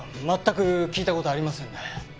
まったく聞いたことありませんね。